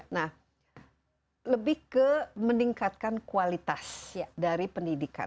nah lebih ke meningkatkan kualitas dari pendidikan